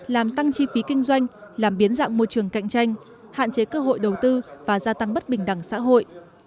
làm tăng chi phí kinh doanh làm biến dạng môi trường cạnh tranh hạn chế cơ hội đầu tư và gia tăng bất bình đẳng xã hội